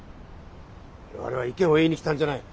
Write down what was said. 我々は意見を言いに来たんじゃない。